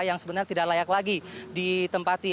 yang sebenarnya tidak layak lagi ditempati